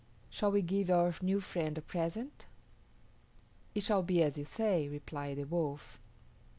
Shall we give our new friend a present?" "It shall be as you say," replied the Wolf.